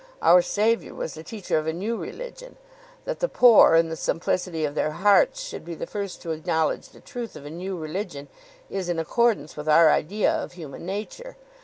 Our Saviour was the teacher of a new religion. That the poor in the simplicity of their hearts should be the first to acknowledge the truth of a new religion is in accordance with our idea of human nature.